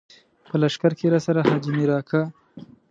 په لښکر کې راسره حاجي مير اکا.